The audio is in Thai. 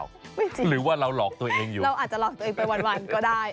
หรือว่าเราหลอกตัวเองอยู่เราอาจจะหลอกตัวเองไปวันก็ได้